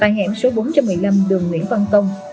tại hẻm số bốn trăm một mươi năm đường nguyễn văn tông